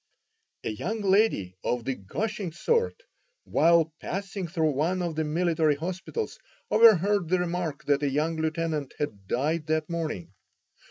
A young lady of the gushing sort, while passing through one of the military hospitals, overheard the remark that a young lieutenant had died that morning.